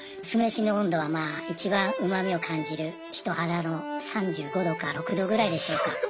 酢飯の温度はまぁいちばんうまみを感じる人肌の３５度か６度ぐらいでしょうか。